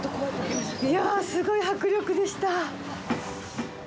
いや、すごい迫力でした。